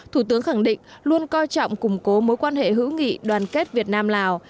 thủ tướng khẳng định luôn coi trọng củng cố mối quan hệ hữu nghị đoàn kết việt nam lào